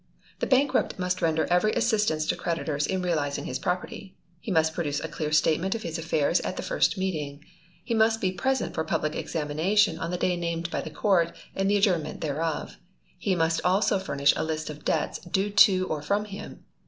The bankrupt must render every assistance to creditors in realizing his property. He must produce a clear statement of his affairs at the first meeting. He must be present for public examination on the day named by the Court and the adjournment thereof. He must also furnish a list of debts due to or from him.